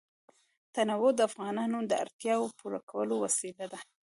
تنوع د افغانانو د اړتیاوو د پوره کولو وسیله ده.